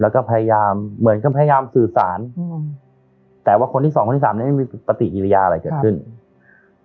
แล้วก็พยายามเหมือนกับพยายามสื่อสารอืมแต่ว่าคนที่สองคนที่สามเนี้ยไม่มีปฏิกิริยาอะไรเกิดขึ้นอืม